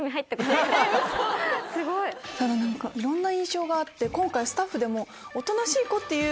いろんな印象があって今回スタッフでも。